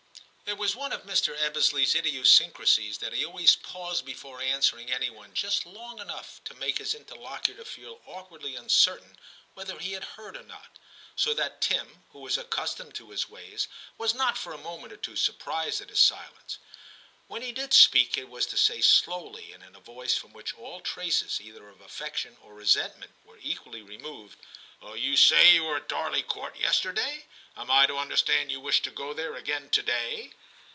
It was one of Mr. Ebbesley's idiosyn crasies that he always paused before answer ing any one just long enough to make his IX TIM 205 interlocutor feel awkwardly uncertain whether he had heard or not ; so that Tim, who was accustomed to his ways, was not for a moment or two surprised at his silence. When he did speak it was to say slowly, and in a voice from which all traces either of affec tion or resentment were equally removed —* You say you were at Darley Court yester day ; am I to understand that you wish to go there again to day